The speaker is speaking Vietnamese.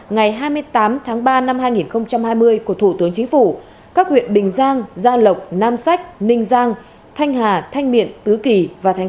ngày hai mươi tám tháng ba năm hai nghìn hai mươi của thủ tướng chính phủ các huyện bình giang gia lộc nam sách ninh giang